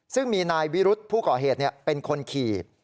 ซึ่งมีนายวิรุธผู้ก่อเหตุเป็นคนขี่